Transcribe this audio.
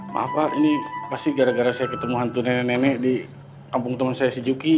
maaf pak ini pasti gara gara saya ketemu hantu nenek nenek di kampung teman saya si juki